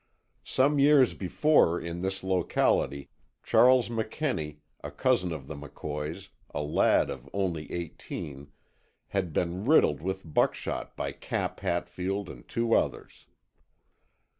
Some years before in this locality Charles McKenney, a cousin of the McCoys, a lad of only eighteen, had been riddled with buckshot by Cap Hatfield and two others.